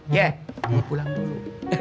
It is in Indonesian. ya gue pulang dulu